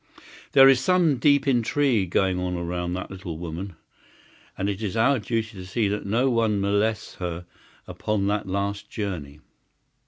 "There is some deep intrigue going on round that little woman, and it is our duty to see that no one molests her upon that last journey.